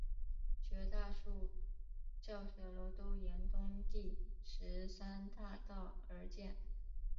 绝大多数教学楼都沿东第十三大道而建。